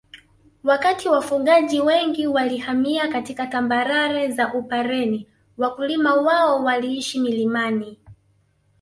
Wakati wafugaji wengi walihamia katika tambarare za Upareni Wakulima wao waliishi milimani